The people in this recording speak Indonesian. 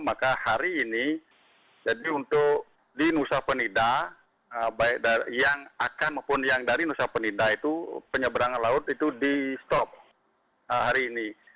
maka hari ini jadi untuk di nusa penida baik yang akan maupun yang dari nusa penida itu penyeberangan laut itu di stop hari ini